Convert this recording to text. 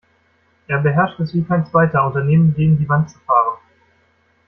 Er beherrscht es wie kein Zweiter, Unternehmen gegen die Wand zu fahren.